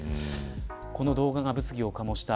この動画が物議を醸した。